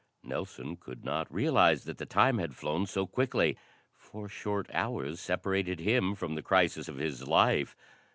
Nelson could not realize that the time had flown so quickly. Four short hours separated him from the crisis of his life.